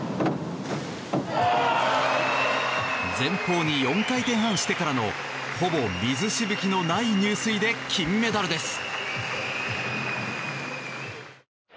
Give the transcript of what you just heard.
前方に４回転半してからのほぼ水しぶきのない入水で金メダルです。